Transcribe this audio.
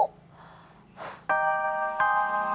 sampai jumpa lagi